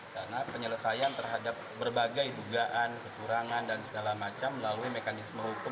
karena penyelesaian terhadap berbagai dugaan kecurangan dan segala macam melalui mekanisme hukum